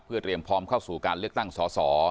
เพื่อเตรียมพร้อมเข้าสู่การเลือกตั้งสอสอ